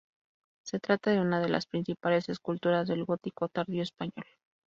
Se trata de una de las principales esculturas del gótico tardío español.